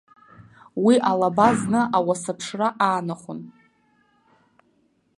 Уи алаба зны ауасаԥшра аанахәон.